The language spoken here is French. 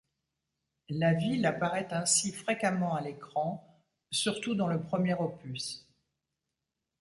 La ville apparaît ainsi fréquemment à l'écran, surtout dans le premier opus.